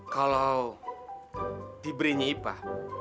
kalau diberinya ipah